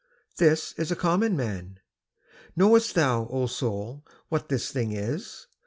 'This is a common man: knowest thou, O soul, What this thing is?